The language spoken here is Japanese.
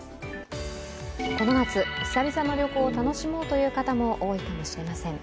この夏、久々の旅行を楽しもうという方も多いかもしれません。